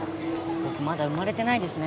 僕まだ生まれてないですね